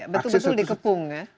betul betul dikepung ya